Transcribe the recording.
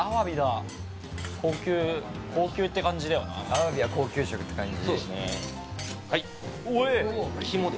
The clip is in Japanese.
アワビは高級食って感じ。